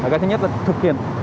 cái thứ nhất là thực hiện